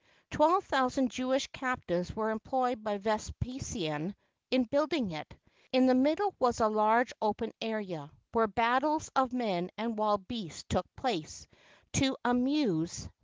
Twelve thousand Jewish captives were employed by Vespasian in building it. In the middle was a large open area, where battles of men and wild beasts took place, to amuse the ■'•:•